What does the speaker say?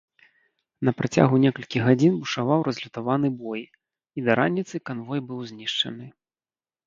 На працягу некалькіх гадзін бушаваў разлютаваны бой, і да раніцы канвой быў знішчаны.